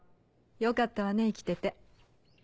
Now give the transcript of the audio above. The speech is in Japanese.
よかったわね生きてて。